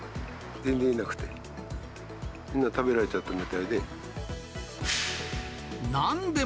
全然いなくて、みんな食べられちゃったみたいで。